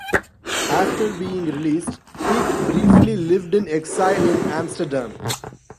After being released, Pieck briefly lived in exile in Amsterdam.